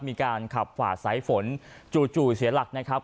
มีการขับฝ่าสายฝนจู่เสียหลักนะครับ